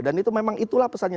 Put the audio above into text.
itu memang itulah pesannya